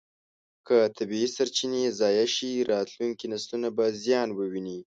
که طبیعي سرچینې ضایع شي، راتلونکي نسلونه به زیان وویني.